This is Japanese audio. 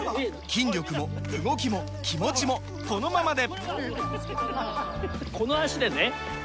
筋力も動きも気持ちもこのままで！